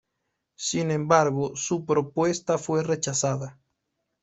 Sin embargo, su propuesta fue rechazada.